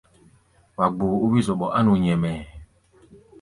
Wa gboo ó wí-zɔɓɔ á nu nyɛmɛɛ.